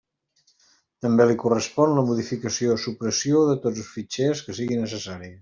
També li correspon la modificació o supressió de tots els fitxers que sigui necessari.